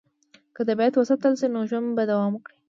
که طبیعت وساتل شي، نو ژوند به دوام وکړي.